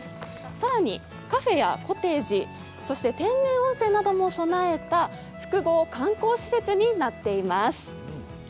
さらにカフェやコテージ、天然温泉なども備えた複合観光施設になっています。